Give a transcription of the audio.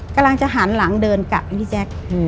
กำลังจะหันหลังเดินกับอันนี้แจ๊ก